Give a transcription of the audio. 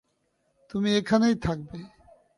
তুমি এখানেই থাকবে!